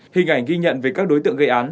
hình ảnh ghi nhận về các đối tượng gây án